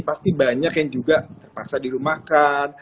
pasti banyak yang juga terpaksa dirumahkan